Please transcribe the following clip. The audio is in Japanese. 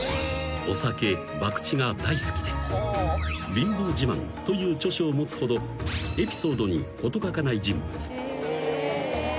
［『びんぼう自慢』という著書を持つほどエピソードに事欠かない人物］